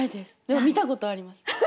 でも見たことあります。